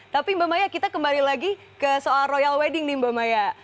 tapi mbak maya kita kembali lagi ke soal royal wedding nih mbak maya